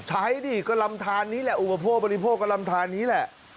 ดิก็ลำทานนี้แหละอุปโภคบริโภคก็ลำทานนี้แหละ